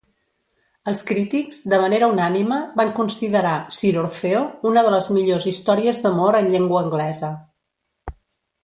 Els crítics, de manera unànime, van considerar "Sir Orfeo" una de les millors històries d'amor en llengua anglesa.